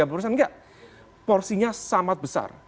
enggak porsinya sangat besar